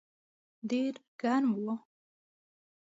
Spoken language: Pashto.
ډېر ګرم و.